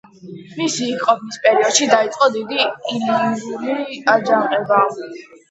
მისი იქ ყოფნის პერიოდში დაიწყო დიდი ილირიული აჯანყება.